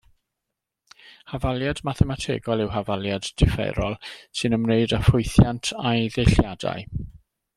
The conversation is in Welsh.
Hafaliad mathemategol yw hafaliad differol, sy'n ymwneud â ffwythiant a'i ddeilliadau.